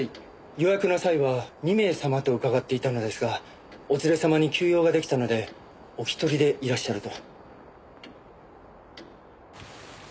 予約の際は２名様と伺っていたのですがお連れ様に急用が出来たのでお一人でいらっしゃると。